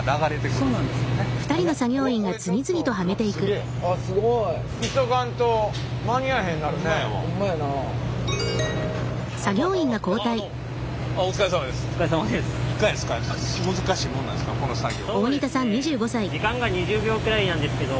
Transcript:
そうですね時間が２０秒くらいなんですけど。